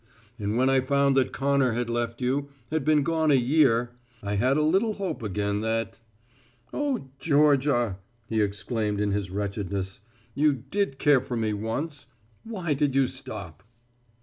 And when I found that Connor had left you, had been gone a year, I had a little hope again that Oh, Georgia," he exclaimed in his wretchedness, "you did care for me once. Why did you stop?"